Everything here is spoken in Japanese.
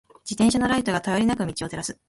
自転車のライトが、頼りなく道を照らす。